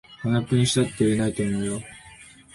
半額にしたって売れないと思うよ